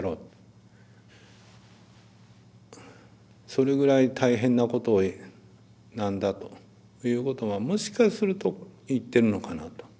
それぐらい大変なことなんだということをもしかすると言ってるのかなと。